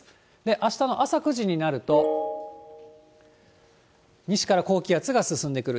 あしたの朝９時になると、西から高気圧が進んでくる。